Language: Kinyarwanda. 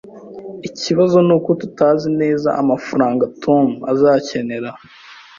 Ikibazo nuko tutazi neza amafaranga Tom azakenera